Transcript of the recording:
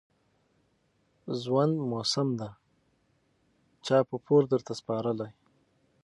ژوند موسم دى چا په پور درته سپارلى